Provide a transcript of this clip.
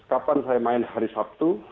kapan saya main hari sabtu